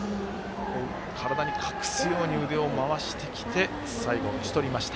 体に隠すように腕を回してきて最後、打ち取りました。